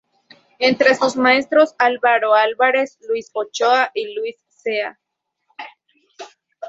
Entre sus maestros: Álvaro Álvarez, Luis Ochoa y Luis Zea.